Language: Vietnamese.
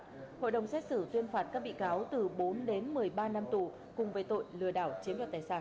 theo hội đồng xét xử tuyên phạt các bị cáo từ bốn đến một mươi ba năm tù cùng với tội lừa đảo chiếm đoạt tài sản